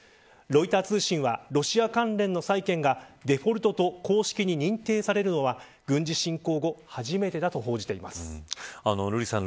ロイター通信はロシア関連の債権がデフォルトと公式に認定されるのは軍事侵攻後初めてだ瑠麗さん